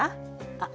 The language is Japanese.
あっ